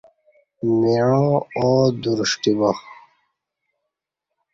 مِعاں آو دُرشٹی با